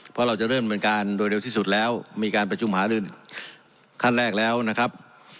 เพราะเราจะเริ่มบริการโดยเร็วที่สุดแล้วมีการประชุมหารือขั้นแรกแล้วนะครับ